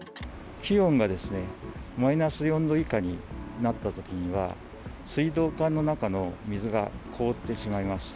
気温がマイナス４度以下になったときには、水道管の中の水が凍ってしまいます。